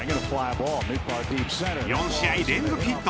４試合連続ヒット。